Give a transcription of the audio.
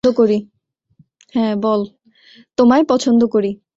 তোমায় পছন্দ করি।